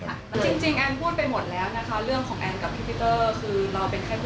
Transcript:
เรื่องของแอนน์กับพี่พีเตอร์คือเราเป็นแค่เพื่อนร่วมงานกันเท่านั้นนะคะ